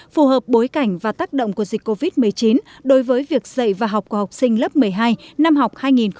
phù hợp bối cảnh và tác động của dịch covid một mươi chín đối với việc dạy và học của học sinh lớp một mươi hai năm học hai nghìn hai mươi hai nghìn hai mươi